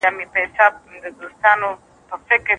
کړکۍ په خپله ښورېدله.